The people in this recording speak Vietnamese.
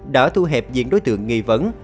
đã thu hẹp diện đối tượng nghi vấn